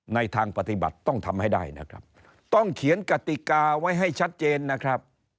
ในทางปฏิบัติต้องทำให้ได้นะครับต้องเขียนกติกาไว้ให้ชัดเจนนะครับ